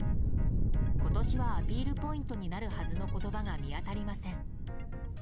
今年はアピールポイントになるはずの言葉が見当たりません。